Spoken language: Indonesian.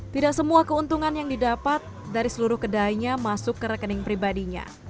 tidak semua keuntungan yang didapat dari seluruh kedainya masuk ke rekening pribadinya